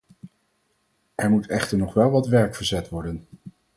Er moet echter nog wel wat werk verzet worden.